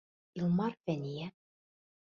Илмар, Фәниә.